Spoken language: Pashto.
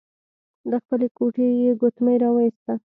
له خپلې ګوتې يې ګوتمۍ را وايسته.